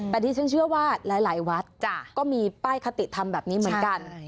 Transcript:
แต่ที่ฉันเชื่อว่าหลายวัดก็มีป้ายคติธรรมแบบนี้เหมือนกัน